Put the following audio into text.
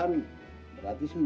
sidik takut tau sama bapak